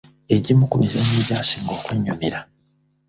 Egimu ku mizannyo egyasinga okunyumira